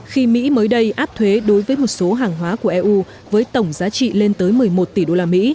khi mỹ mới đây áp thuế đối với một số hàng hóa của eu với tổng giá trị lên tới một mươi một tỷ usd